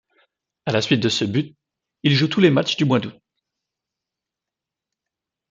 À la suite de ce but, il joue tous les matches du mois d'août.